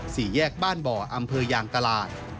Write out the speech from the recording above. สี่แยกบ้านบ่ออำเภอยางตลาด